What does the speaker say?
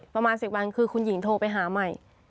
ประมาณ๑๐วันคือคุณหญิงโทรไปหาใหม่